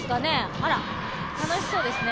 あらっ、楽しそうですね。